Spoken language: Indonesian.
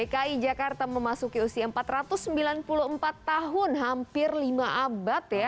dki jakarta memasuki usia empat ratus sembilan puluh empat tahun hampir lima abad ya